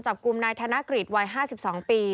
จับกลุ่มนายธนกฤษวัย๕๒ปี